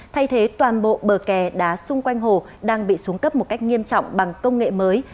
thay thế toàn bộ bờ kè đá xung quanh hồ đang bị xuống cấp một cách nghiêm trọng bằng công nghệ mới